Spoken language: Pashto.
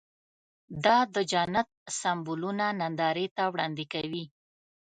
دا د جنت سمبولونه نندارې ته وړاندې کوي.